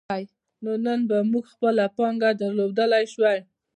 نو نن به موږ خپله پانګه درلودلای شو.